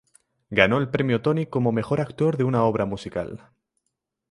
Ganó el premio Tony como mejor actor en una obra musical.